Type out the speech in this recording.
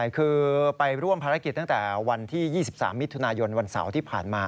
คือไปร่วมภารกิจตั้งแต่วันที่๒๓มิถุนายนวันเสาร์ที่ผ่านมา